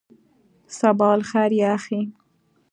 صباح الخیر یا اخی.